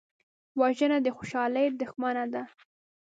وژنه د خوشحالۍ دښمنه ده